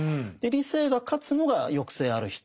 理性が勝つのが抑制ある人